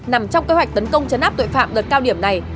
nằm trong kế hoạch tấn công chấn áp tội phạm đợt cao điểm này